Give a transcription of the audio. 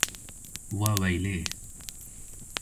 Waweylê!